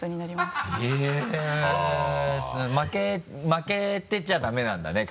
負けてちゃダメなんだね？